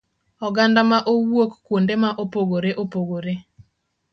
oganda ma owuok kuonde ma opogore opogore.